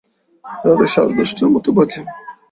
রাত সাড়ে দশটার মতো বাজে।